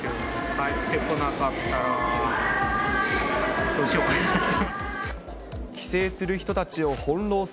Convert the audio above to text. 帰ってこられなかったら、どうしようかなって。